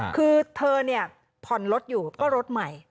คือเธอเนี่ยผ่อนรถอยู่ก็รถใหม่